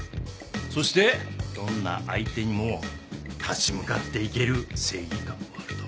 そしてどんな相手にも立ち向かっていける正義感もあると。